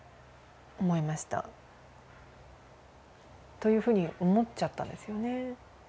というふうに思っちゃったんですよね。